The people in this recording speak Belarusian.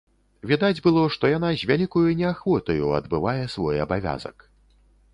Відаць было, што яна з вялікаю неахвотаю адбывае свой абавязак.